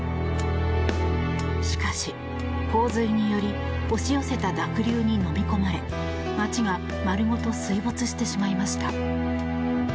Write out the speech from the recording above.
しかし、洪水により押し寄せた濁流にのみ込まれ街が丸ごと水没してしまいました。